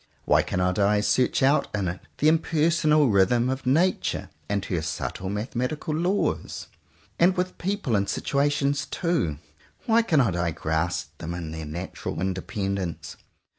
Why cannot I search out in it the impersonal rhythm of Nature and her subtle mathematical laws? And with people and situations too; why cannot I grasp them in their natural independence?